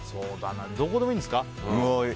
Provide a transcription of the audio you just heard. どこでもいいんですか？